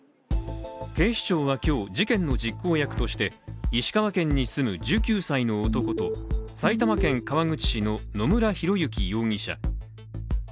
警視庁は今日、事件の実行役として石川県に住む１９歳の男と埼玉県川口市の野村広之容疑者